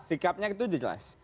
sikapnya itu jelas